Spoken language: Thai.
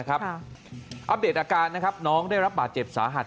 อัพเดทอาการน้องได้รับบาดเจ็บสาหัส